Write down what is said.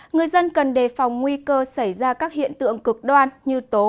người dân cần đề phòng nguy cơ xảy ra các hiện tượng cực đoan như tố